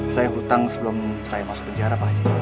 saya hutang sebelum saya masuk penjara pak haji